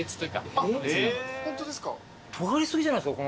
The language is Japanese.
とがり過ぎじゃないですか